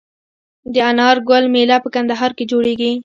د انار ګل میله په کندهار کې جوړیږي.